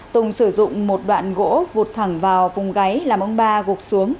tùng sử dụng một đoạn gỗ vụt thẳng vào vùng gáy làm ông ba gục xuống